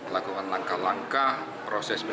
lakukan langkah langkah proses